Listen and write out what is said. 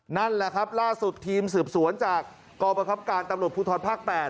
นั่นแหละครับล่าสุดทีมสืบสวนจากกรประคับการตำรวจภูทรภาค๘